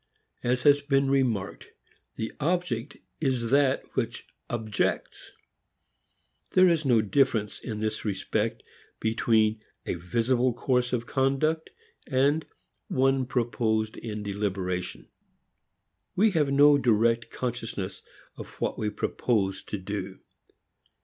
As has been remarked, the object is that which objects. There is no difference in this respect between a visible course of conduct and one proposed in deliberation. We have no direct consciousness of what we purpose to do.